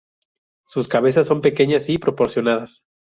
Sus cabezas son pequeñas y proporcionadas.